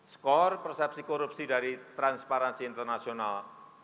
skor persepsi korupsi dari transparansi internasional